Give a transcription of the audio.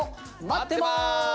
待ってます。